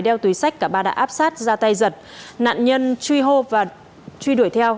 đeo túi sách cả ba đã áp sát ra tay giật nạn nhân truy hô và truy đuổi theo